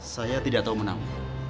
saya tidak tahu menang